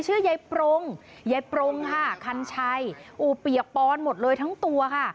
ชื่อยายปรงยายปรงค่ะคันชัยอู่เปียกปอนหมดเลยทั้งตัวค่ะ